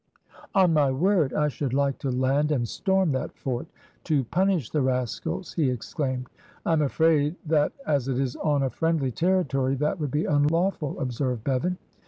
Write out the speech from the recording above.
"On my word I should like to land and storm that fort, to punish the rascals," he exclaimed. "I am afraid that as it is on a friendly territory, that would be unlawful," observed Bevan.